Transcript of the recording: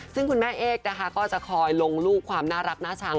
ซึ่งคุณแม่เอกนะคะก็จะคอยลงรูปความน่ารักน่าชัง